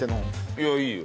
いやいいよ。